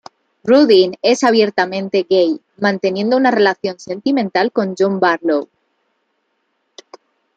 Rudin es abiertamente gay, manteniendo una relación sentimental con John Barlow.